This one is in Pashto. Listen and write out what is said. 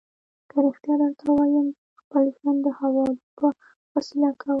که رښتیا درته ووایم، زه خپل ژوند د حوالو په وسیله کوم.